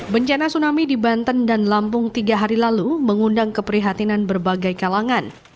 bencana tsunami di banten dan lampung tiga hari lalu mengundang keprihatinan berbagai kalangan